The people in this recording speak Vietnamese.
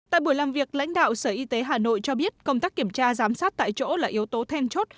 tại buổi làm việc lãnh đạo sở y tế hà nội cho biết công tác kiểm tra giám sát tại chỗ là yếu tố then chốt